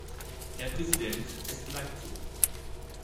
Herr Präsident! Es bleibt so.